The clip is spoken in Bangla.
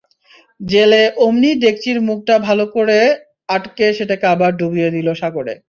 জেলে অমনি ডেকচির মুখটা ভালো করে আটকে সেটাকে আবার ডুবিয়ে দিল সাগরে।